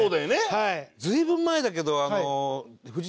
はい。